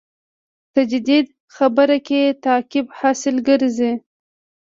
تجدید خبره کې تطبیق حاصل ګرځي.